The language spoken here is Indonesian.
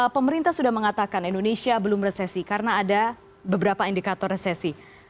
pemerintah sudah mengatakan indonesia belum resesi karena ada beberapa indikator resesi